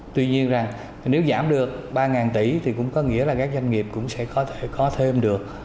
tuy nhiên rằng nếu giảm được ba tỷ thì cũng có nghĩa là các doanh nghiệp cũng sẽ có thể có thêm được